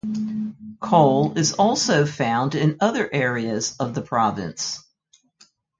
Coal is also found in other areas of the province.